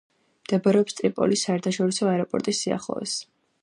მდებარეობს ტრიპოლის საერთაშორისო აეროპორტის სიახლოვეს.